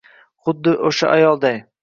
xuddi o‘sha ayolday